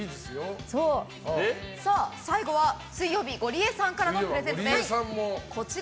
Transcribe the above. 最後は水曜日ゴリエさんからのプレゼントです。